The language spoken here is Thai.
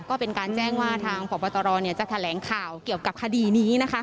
ก็เป็นการแจ้งว่าทางพบตรจะแถลงข่าวเกี่ยวกับคดีนี้